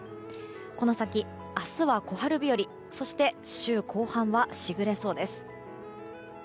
この先、明日は小春日和そして週後半は時雨れそうです。